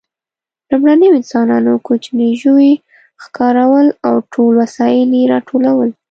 لومړنیو انسانانو کوچني ژوي ښکارول او ټول وسایل یې راټولول.